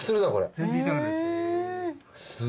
全然痛くないです。